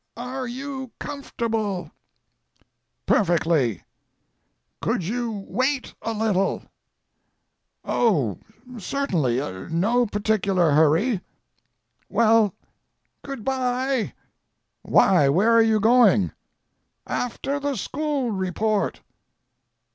"Are you comfortable?" "Perfectly." "Could you wait a little?" "Oh, certainly no particular hurry." "Well good bye." "Why, where are you going?" "After the school report!"